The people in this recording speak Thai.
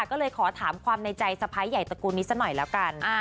ก็เลยขอถามความในใจสะพ้ายใหญ่ตระกูลนี้สักหน่อยแล้วกัน